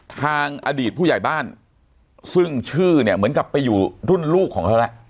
ทางอดีตผู้ใหญ่บ้านซึ่งชื่อเนี่ยเหมือนกับไปอยู่รุ่นลูกของเธอแล้ว